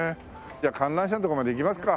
じゃあ観覧車のとこまで行きますか。